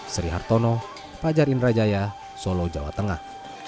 sri hartono fajar indrajaya solo jawa tengah